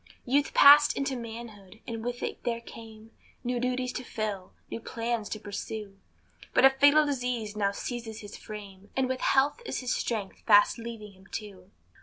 Youth passed into manhood, and with it there came New duties to fill, new plans to pursue; But a fatal disease now seizes his frame, And with health is his strength fast leaving him too.